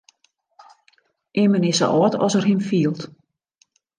Immen is sa âld as er him fielt.